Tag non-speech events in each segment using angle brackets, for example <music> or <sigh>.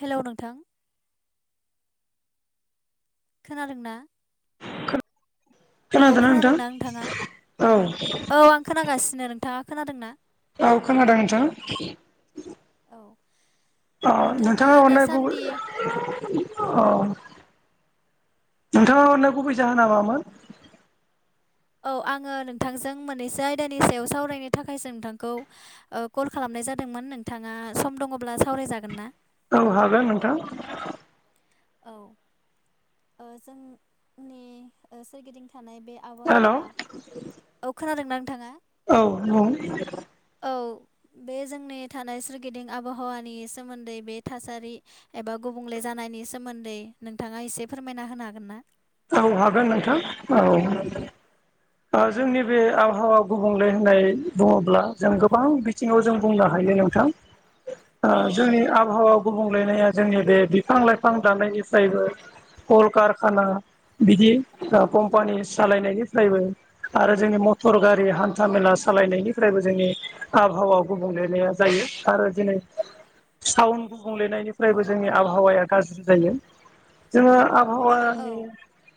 हेल' नोंथां खोनादोंना औ खोनादोंना नोंथाङा औ औ आं खोनागासिनो नोंथाङा खोनादोंना औ खोनादों नोंथां औ अ नोंथाङा गुबै अ नोंथाङा हरनाय गुबै जाहोना मामोन? औ आङो नोंथांजों मोननैसो आयदानि सायाव सावरायनो थाखायसो नोंथांखौ कल खालामनाय जादोंमोन नोंथाङा सम दङब्ला सावरायजागोन ना औ हागोन नोंथां औ जोंनि सोरगिदिं थानाय बे हेल' आबहावा औ औ खोनादोंना नोंथाङा औ बुं औ बे जोंनि थानाय सोरगिदिं आबहावानि सोमोन्दै बे थासारि एबा गुबुंले जानायनि सोमोन्दै नोंथाङा एसे फोरमायना होनो हागोन ना? औ हागोन नोंथां औ <unintelligible> ओ जोंनि बे आबहावा गुबुंले होननाय बुङोब्ला जों गोबां बिथिङाव जों बुंनो हायो नोंथां ओ औ जोंनि आबहावा गुबुंलेनाया जोंनि बे बिफां लाइफां दाननायनिफ्रायबो कल कारखाना बिदि कम्पानि सालायनायनिफ्रायबो आरो जोंनि मटर गारि हान्था मेला सालायनायनिफ्रायबो जोंनि आबहावा गुबुंलेनाया जायो आरो दिनै साउन्ड गुबुंलेनायनिफ्रायबो जोंनि आबहावाया गाज्रि जायो जोङो आ औ हावानि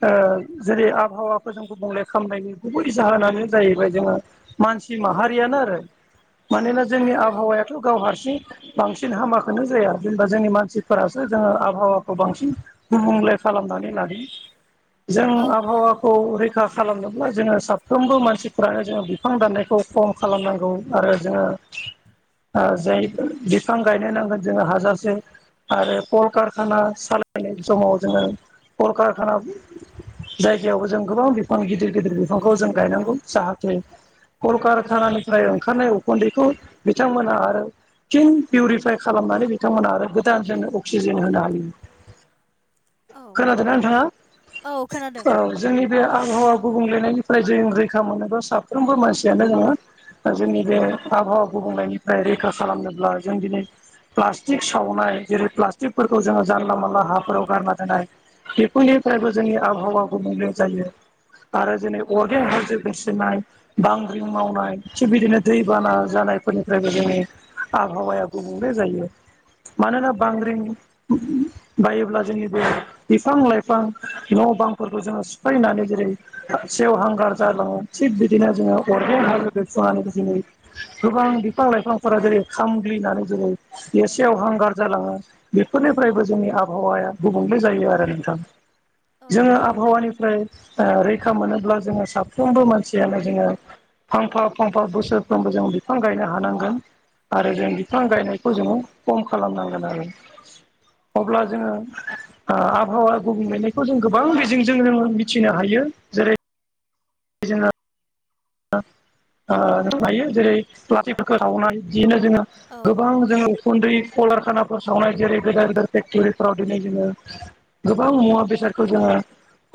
ओ जेरै- आबहावाखौ जों गुबुंले खालामनायनि गुबै जाहोनानो जाहैबाय जोङो मानसि माहारियानो आरो मानोना औ जोंनि आबहावायाथ' गाव हारसिं बांसिन हामाखौनो जाया जेनेबा जोंनि मानसिफोरासो जोङो आबहावाखौ बांसिन गुबुंले खालामनानै लायो। जों औ आबहावाखौ रैखा खालामनोब्ला जोङो साफ्रोमबो मानसिफ्रानो जोङो बिफां दाननायखौ खम खालामनांगौ आरो जोङो ओ जाय बिफां गायनो नांगोन जोङो हाजासे आरो कल कारखाना सालायनाय समाव जोङो कल कारखाना जायगायावबो जों गोबां बिफां गिदिर गिदिर बिफांखौ जों गायनांगौ जाहाथे कल कारखानानिफ्राय ओंखारनाय उखुन्दैखौ बिथांमोना आरो थिन पिउरिफाइ खालामनानै बिथांमोना आरो गोदान जोंनो अक्सिजेन होनो हायो औ खोनादोंना नोंथाङा औ खोनादों औ जोंनि बे आबहावा गुबुंलेनायनिफ्राय जों रैखा मोनोबा साफ्रोमबो मानसियानो जोङो जोंनि बे आबहावा गुबुंनायनिफ्राय रैखा खालामनोब्ला जों दिनै प्लास्टिक सावनाय जेरै- प्लास्टिकफोरखौ जोङो जानला मानला हाफोराव गारना दोननाय बेफोरनिफ्रायबो जोंनि आबहावा गुबुंले जायो आरो जेनै औ अरगें हाजो मोनथिनाय बांग्रिं मावनाय थिग बिदिनो दैबाना जानायफोरनिफ्रायबो जोङो आबहावाया गुबुंले जायो मानोना बांग्रिं बायोब्ला जोंनि बे बिफां लाइफां न' बांफोरखौ जोङो सिफायनानै जेरै- सेवहांगार जालाङो थिग बिदिनो जोङो अरगें हाजो देरफ्रुनानै दिनै गोबां बिफां लाइफांफोरा जेरै-खामग्लिनानै जेरै- बेयो सेव हांगार जालाङो बेफोरनिफ्रायबो जोंनि आबहावाया गुबुंले जायो आरो नोंथां औ जोङो औ आबहावानिफ्राय ओ रैखा मोनोब्ला जोङो साफ्रोमबो मानसियानो जोङो फांफा फांफा बोसोरफ्रोमबो जों बिफां गायनो हानांगोन आरो जों बिफां गायनायखौ जोङो खम खालामनांगोन आरो औ अब्ला जोङो ओ आबहावा गुबुंलेनायखौ जों गोबां बिजिंजों जोङो मिथिनो हायो जेरै- <unintelligible> ओ हायो जेरै- प्लाटिकफोरखौ सावनाय बिदिनो जोङो औ गोबां जोङो उखुन्दै कलारखानाफोराव सावनाय जेरै- गेदेर गेदेर फेक्ट'रिफ्राव दिनै जोङो गोबां मुवा बेसादखौ जोङो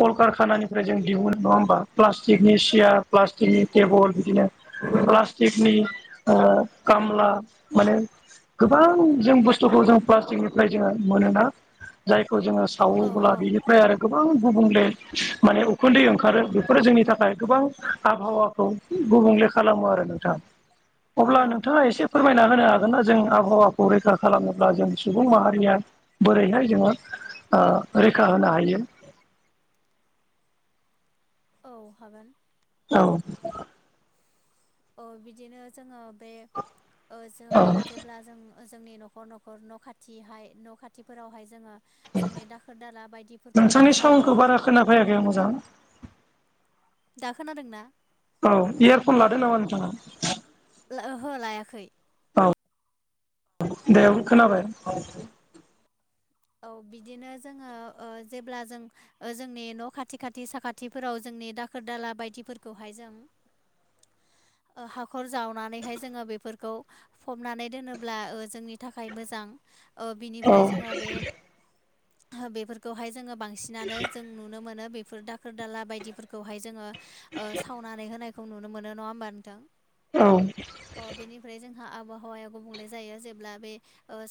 कल कारखानानिफ्राय जों दिहुनो नङा होमबा प्लास्टिकनि सियार प्लास थिकनि टेबोल बिदिनो प्लास्टिकनि ओ खामला माने गोबां जों बुस्थुखौ जों प्लास्टिकनिफ्राय जोङो मोनोना जायखौ जोङो सावोब्ला औ बिनिफ्राय आरो गोबां गुबुंले माने उखुन्दै ओंखारो बेफोरो जोंनि थाखाय गोबां आबहावाखौ गुबुंले खालामो आरो नोंथां अब्ला औ नोंथाङा एसे फोरमायना होनो हागोन ना जों आबहावाखौ रैखा खालामोब्ला जों सुबुं माहारिया बोरैहाय जोङो ओ रैखा होनो हायो। औ हागोन। औव बिदिनो जोंङो बे ज औ जेंब्ला जों जोंनि न'खर न'खर न' खाथिहाय न' खाथिफोरावहाय जोंङो जोंनि दाखोर दाला नोंथांनि बायदिफोरखौहाय जोंङो। साउन्डखौ बारा खोनाफैयाखै आ मोजां? दा खोनादों ना? औ इयारफन लादो नामा नोंथांङा ओहो लायाखै औ औ दे खोनाबाय औ बिदिनो जोंङो जेब्ला जों? जोंनि न' खाथि खाथि साखाथिफोराव जोंनि दाखोर दाला बायदिफोरखौहाय जों हाखर जावनानैहाय जोंङो बेफोरखौ फबनानै दोनोब्ला जोंनि थाखाय मोजां औ बिनिफ्राय जोंङो बे बेफोरखौहाय जोंङो बांसिनानो जों नुनो मोनो बेफोर दाखोर दाला बायदिफोरखौहाय जोंङो सावनानै होनायखौ नुनो मोनो नंङा होमबा नोंथां? औव अ बेनिफ्राय जोंहा आबहावाया गुबुंले जायो जेब्ला बे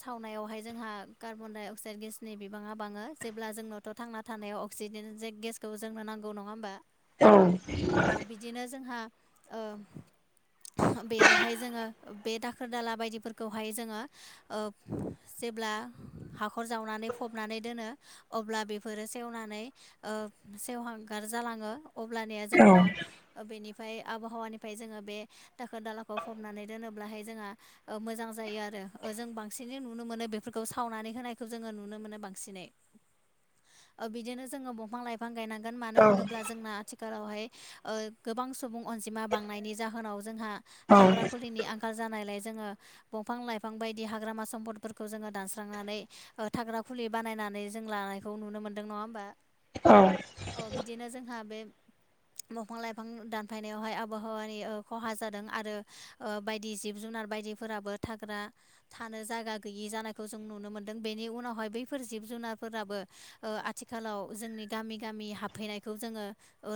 सावनायावहाय जोंहा कार्बनडाय अक्साइड गेसनि बिबांङा बांङो जेब्ला जोंनावथ' थांना थानायाव अक्सिजेने गेसखौ जोंनो नांगौ नंङा होनोमबा? औव बिदिनो जोंहा बेयावहाय जोंङो बे दाखोर दाला बायदिफोरखौहाय जोंङो जेब्ला हखर जावनानै फबनानै दोनो। अब्ला बेफोरो सेवनानै सेवहांगार जालांङो अब्लनिया औ जोंङो बेनिफ्राय आबहावानिफ्राय जोंङो बे दाखोर दालाखौ फबनानै दोनोब्लाहाय जोंहा मोजां जायो आरो जों बांसिन नुनो मोनो बेफोरखौ सावनानै होनाय। जोंङो नुनो मोनो बांसिनै बिदिनो जोंङो दंफां लायफां बां गायनांगोन मानो औ औ होनोब्ला जोंना आथिखालावहाय गोबां सुबुं अनजिमा बांनायनि जाहोनाव जोंहा थाग्रा खुलिनि आंखाल आंखाल जानायलाय जोंङो दंफां लाइफां बायदि हाग्रामा सम्फदफोरखौ जोंङो दानस्रांनानै थाग्रा खुलि बानायनानै जों लानायखौ नुनो मोन्दों नंङा होमबा औव औ बिदिनो जोंहा बे दंफां लाइफां दानफायनायावहाय आबहावानि खहा जादों आरो बायदि जिब जुनार बायदिफोराबो थाग्रा थानो जायगा गैयि जानायखौ जों नुनो मोनदों। बेनि उनावहाय बैफोर जिब जुनारफोराबो। आथिखालाव जोंनि गामि गामि हाबफैनायखौ जोंङो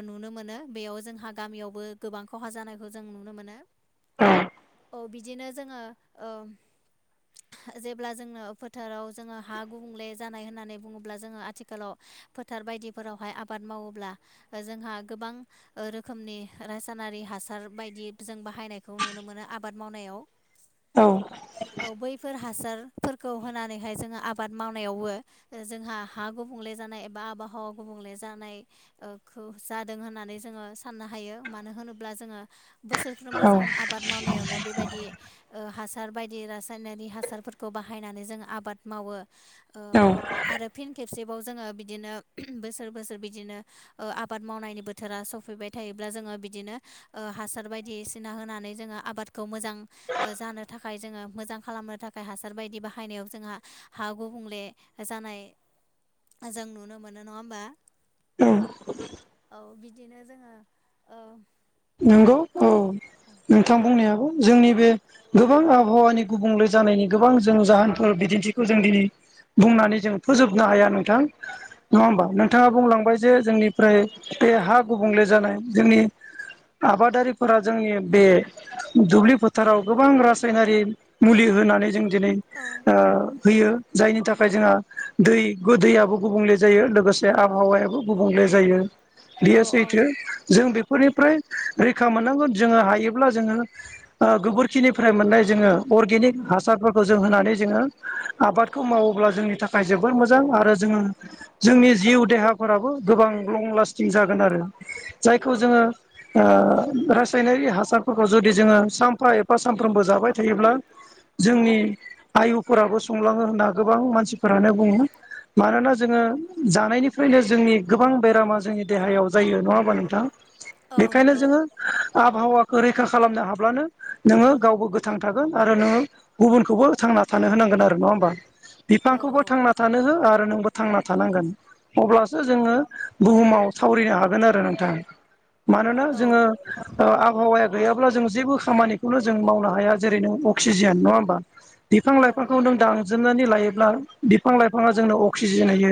नुनो मोनो बेयाव जोंहा गामियावबो गोबां खहा जानायखौ जों नुनो मोनो। ए औ बिदिनो जोंङो जेब्ला जोंङंनो फोथाराव जोंङो हा गुबुंले जानाय होननानै बुंङोब्ला जोंङो आथिखालाव फोथार बायदि फोरावहाय आबाद मावोब्ला जोंहा गोबां रोखोमनि रासायनारि हासार बायदि जों बाहायनायखौ नुनो मोनो आबाद मावनायाव <inaudible> औव औ बैफोर हासारफोरखौ होनानैहाय जोंङो आबाद मावनायावबो जोंहा हा गुबुंले जानाय एबा आबहावा गुबुंले जानाय ओ खौ जादों होननानै जोङो साननो हायो मानो होनोब्ला जोङो बोसोरफ्रोमबो जों आब बाद मावनायावनो बेबायदि ओ हासार बायदि रासायनारि हासारफोरखौ बाहायनानै जों आ बाद मावो ओ आरो फिन खेबसेबाव जोङो बिदिनो बोसोर बोसोर बिदिनो ओ आबाद मावनायनि बोथोरा सफैबाय थायोब्ला जोङो बिदिनो ओ हासार बायदिसिना होनानै जोङो आबाद खौ मोजां ओ जानो थाखाय जोङो मोजां खालामनो थाखाय हासार बायदि बाहायनायाव जोंहा हा गुबुंले जानाय जों नुनो मोनो नङा होमबा? औ औ बिदिनो जोङो ओ नंगौ औ नोंथां बुंनायाबो जोंनि बे गोबां आबहावानि गुबुंले जानायनि गोबां जों जाहोनफोर बिदिन्थिखौ जों दिनै बुंनानै जों फोजोबनो हाया नोंथां नङा होमबा? नोंथाङा बुंलांबाय जे जोंनिफ्राय बे हा गुबुंले जानाय जोंनि आबादारिफोरा जोंनि बे दुब्लि फोथाराव गोबां रासायनारि मुलि होनानै जों दिनै औ। ओ होयो जायनि थाखाय जोंहा दै दैयाबो गुबुंले जायो लोगोसे जे आबहावायाबो गुबुंले जायो औ बेयो सैथो जों बेफोरनिफ्राय रैखा मोननांगोन जोङो हायोब्ला जोङो ओ गोबोरखिनिफ्राय मोननाय जोङो अर्गेनिक हासारफोरखौ जों होनानै जोङो आबादखौ मावोब्ला जोंनि थाखाय जोबोद मोजां आरो जोङो जोंनि जिउ देहाफोराबो गोबां लं लास्टिं जागोन आरो जायखौ जोङो ओ रासायनारि हासारफोरखौ जुदि जोङो सामफा एफा सानफ्रोमबो जाबाय थायोब्ला जोंनि आयुफोराबो सुंलाङो होनना गोबां मानसिफोरानो बुङो मानोना औ जोङो जानायनिफ्रायनो जोंनि गोबां बेरामा जोंनि देहायाव जायो नङा होमबा नोंथा? औ बेखायनो नंगौ जोङो आबहावाखौ रैखा खालामनो हाब्लानो नोङो गावबो गोथां थागोन आरो नोङो गुबुनखौबो थांना थानो होनांगोन आरो नङा होमबा? औ बिफांखौबो औ थांना थानो हो आरो नोंबो थांना थानांगोन। अब्लासो जोङो बुहुमाव थावरिनो हागोन आरो नोंथां मानोना औ जोङो आबहावाया गैयाब्ला जों जेबो खामानिखौनो जों मावनो हाया जेरै नों अक्सिजेन नङा होमबा? बिफां औ लाइफांखौ नों दानजोबनानै लायोब्ला बिफां लाइफाङा जोंनो अक्सिजेन होयो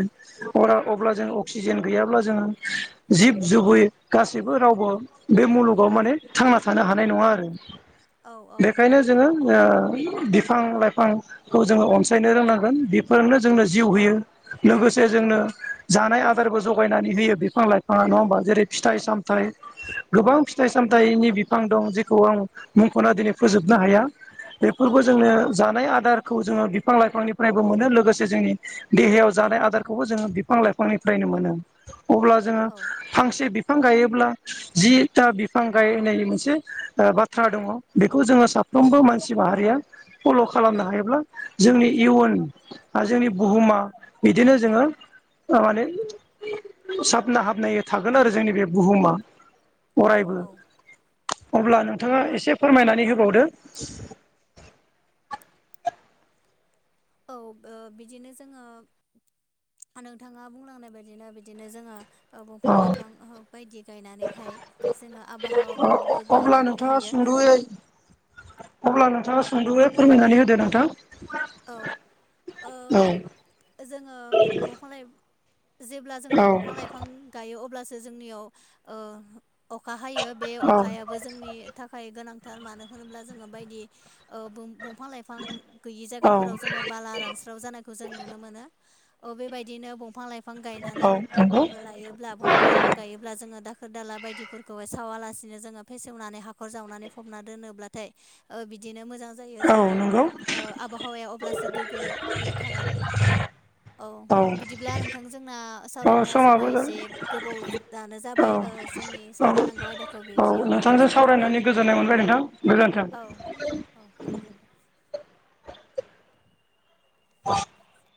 अरा अब्ला जों अक्सिजेन गैयाब्ला जोङो जिब जुबै जेबो रावबो बे मुलुगाव माने थांना थानो हानाय नङा आरो औ औ बेखायनो जोङो ओ बिफां लाइफां खौ जोङो अनसायनो रोंनांगोन बेफोरनो जोंनो जिउ होयो। लोगोसे जोंनो जानाय आदारबो जगायनानै होयो बिफां लाइफाङा नङा होमबा? जेरै फिथाइ साम थाइ गोबां फिथाइ सामथाइनि बिफां दं जेखौ आं मुंख'ना दिनै फोजोबनो हाया औ बेफोरखौ जोंनो जानाय आदार खौ जोङो बिफां लाइफांनिफ्रायबो मोनो लोगोसे जोंनि देहायाव जानाय आदारखौबो जोङो बिफां लाइफांनिफ्रायनो मोनो अब्ला जोङो औ फांसे बिफां गायो ब्ला जिथा बिफां गायनाय मोनसे ओ बाथ्रा दङ बेखौ जोङो सा फ्रोमबो मानसि माहारिया फल' खालामनो हायोब्ला जोंनि इयुन या जोंनि बुहुमा बिदिनो जोङो ओ माने साबना हाबनाय थागोन आरो जोंनि बे बुहुमा औ अरायबो। औ अब्ला नोंथाङा एसे फोरमायनानै होबावदो। औ बिदिनो जोङो नोंथाङा बुंलांनाय बायदिनो बिदिनो जोङो ओ अ बंफां लाइफां बायदि गायनानैहाय जोङो आबहावाखौ गोग्गो अब्ला लाखिनो नोंथाङा हायो। सुंद'यै अब्ला नोंथाङा सोंदयै फोरमायनानै होदो नोंथां। औ ओ औ जोङो दंफां लाइ जेब्ला जोङो औ दंफां लाइफां गायो अब्लासो जोंनियाव ओ अखा हायो बे अखायाब जोंनि थाखाय गोनांथार मानो होनोब्ला जोङो बायदि ओ बोम बंफां लाइफ फां गैयि जायगा औ ला रानस्राव जानायखौ जों नुनो मोनो ओ बेबायदिनो बंफां लाइफ फां औ गायनानै नंगौ लायोब्ला दंफां लाइफ फां गायोब्ला जोङो दाखोर दाला बायदिफोरखौहाय सावालासिनो जोङो फेसेवनानै हाखर जावनानै फबना दोनोब्लाथाय बिदिनो मोजां जायो औ जोंनि नंगौ आबहावाया अब्लासो गोग्गोयै थागोन। औ बिदिब्ला नोंथां जोंना औ सावरायनाया समा समाबो एसे गोबाव जानो औ जाबाय जोंनि औ सावरायनांगौ आयदा खो औ बेखिनियावनो नोंथांजों फोजोबथ'बाय सावरायनानै गोजोननाय मोनबाय नोंथां गोजोन्थों औ औ गोजोन्थों। <unintelligible>